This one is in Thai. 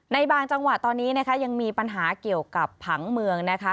ในบางจังหวะตอนนี้นะคะยังมีปัญหาเกี่ยวกับผังเมืองนะคะ